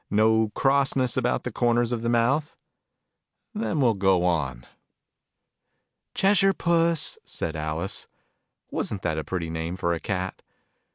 No crossness about the corners of the mouth ? Then we'll go on. "Cheshire Puss!" said Alice. (Wasn't that a pretty name for a Cat